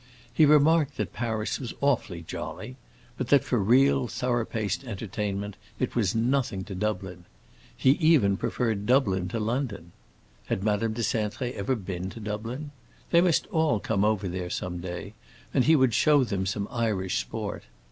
He remarked that Paris was awfully jolly, but that for real, thorough paced entertainment it was nothing to Dublin. He even preferred Dublin to London. Had Madame de Cintré ever been to Dublin? They must all come over there some day, and he would show them some Irish sport.